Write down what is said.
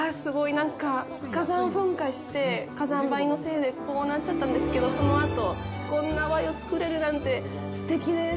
なんか火山噴火して火山灰のせいでこうなっちゃったんですけどそのあと、こんなワインを造れるなんてすてきです。